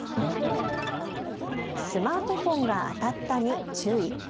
スマートフォンが当たったに注意。